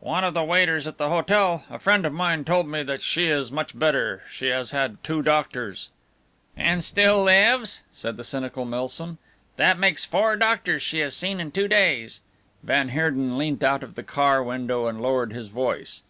"One of the waiters at the hotel, a friend of mine, told me that she is much better. She has had two doctors." "And still lives?" said the cynical Milsom. "That makes four doctors she has seen in two days." Van Heerden leant out of the car window and lowered his voice.